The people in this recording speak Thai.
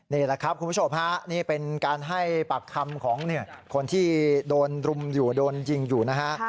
นี่แหละครับคุณผู้ชมฮะนี่เป็นการให้ปากคำของคนที่โดนรุมอยู่โดนยิงอยู่นะฮะ